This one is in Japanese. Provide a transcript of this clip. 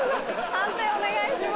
判定お願いします。